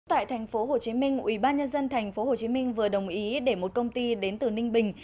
tại tp hcm ủy ban nhân dân tp hcm vừa đồng ý để một công ty đến từ ninh bình